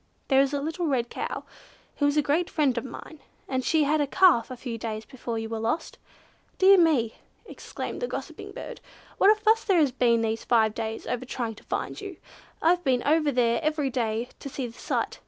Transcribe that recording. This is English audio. There is a little red cow who is a great friend of mine, and she had a calf a few days before you were lost. Dear me!" exclaimed the gossiping bird, "what a fuss there has been these five days over trying to find you! I've been over there every day to see the sight.